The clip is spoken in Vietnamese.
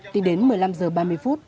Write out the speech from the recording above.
tính đến một mươi năm h ba mươi phút